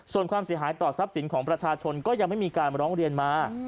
ส่วนความเสียหายต่อทรัพย์สินของประชาชนก็ยังไม่มีการร้องเรียนมา